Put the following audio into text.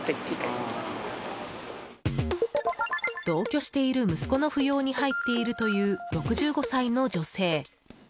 同居している息子の扶養に入っているという６５歳の女性。